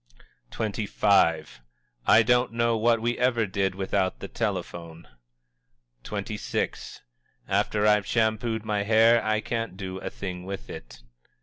_" XXV. "I don't know what we ever did without the telephone!" XXVI. "After I've shampooed my hair I can't do a thing with it!"